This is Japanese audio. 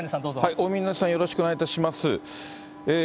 大峯さん、よろしくお願いいたします。